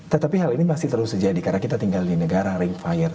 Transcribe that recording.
tetapi hal ini masih terus terjadi karena kita tinggal di negara ring fire